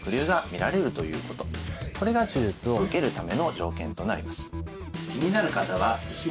これが手術を受けるための条件となります。